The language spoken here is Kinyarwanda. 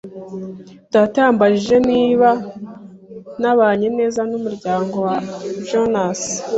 Data yambajije niba nabanye neza n'umuryango wa Jones.